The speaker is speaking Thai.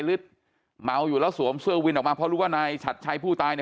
หรือเมาอยู่แล้วสวมเสื้อวินออกมาเพราะรู้ว่านายฉัดชัยผู้ตายเนี่ย